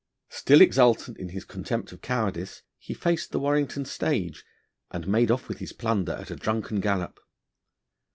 Still exultant in his contempt of cowardice, he faced the Warrington stage, and made off with his plunder at a drunken gallop.